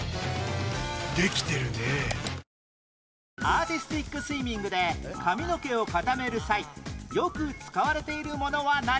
アーティスティックスイミングで髪の毛を固める際よく使われているものは何？